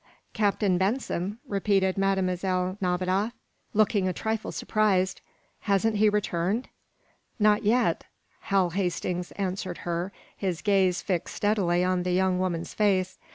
"Captain Benson?" repeated Mlle. Nadiboff, looking a trifle surprised. "Hasn't he returned?" "Not yet," Hal Hastings answered her, his gaze fixed steadily on the young woman's face.